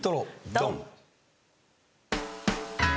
ドン！